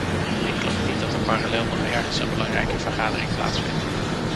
Ik geloof niet dat er parallel nog ergens een belangrijke vergadering plaatsvindt.